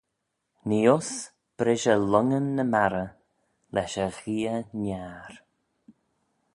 Nee uss brishey lhongyn ny marrey: lesh y gheay-niar.